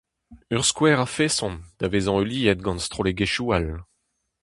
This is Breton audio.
Ur skouer a-feson da vezañ heuliet gant strollegezhioù all.